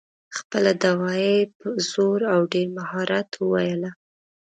خپله دعوه یې په زور او ډېر مهارت وویله.